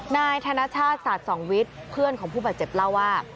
นายธนชาติศาสตร์สองวิทย์เพื่อนของผู้บาดเจ็บเล่าว่า